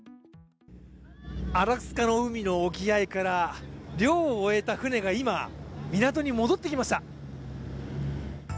アラスカの海の沖合から漁を終えた船が今、港に戻ってきました。